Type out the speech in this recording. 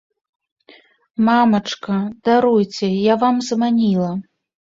Мамачка, даруйце, я вам зманіла!